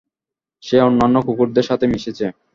সে অন্যান্য কুকুরদের সাথে মিশেছে।